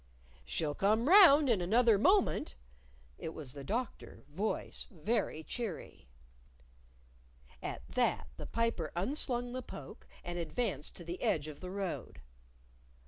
"She'll come round in another moment!" It was the Doctor, voice very cheery. At that, the Piper unslung the poke and advanced to the edge of the road.